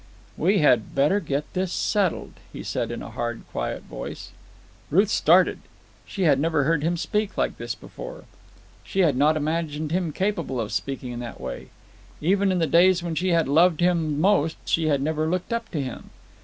"We had better get this settled," he said in a hard, quiet voice. Ruth started. She had never heard him speak like this before. She had not imagined him capable of speaking in that way. Even in the days when she had loved him most she had never looked up to him.